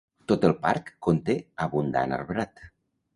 Tot el parc conté abundant arbrat.